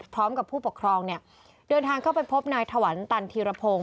พร้อมกับผู้ปกครองเนี่ยเดินทางเข้าไปพบนายถวันตันธีรพงศ์